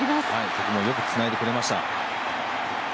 ここもよくつないでくれました。